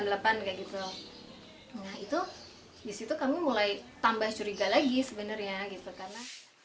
nah itu disitu kami mulai tambah curiga lagi sebenarnya